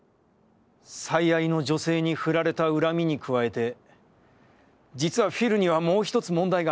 最愛の女性にフラれた恨みに加えて、じつはフィルにはもう一つ問題があった。